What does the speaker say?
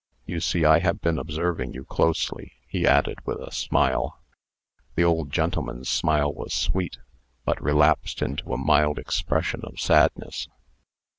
You see, I have been observing you closely," he added, with a smile. The old gentleman's smile was sweet, but relapsed into a mild expression of sadness.